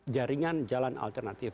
jaringan jalan alternatif